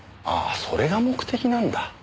ああそれが目的なんだ。